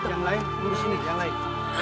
yang lain ini sini yang lain